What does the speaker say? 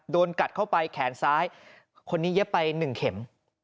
โดนกัดเข้าไปแขนซ้ายคนนี้เย็บไป๑เข็ม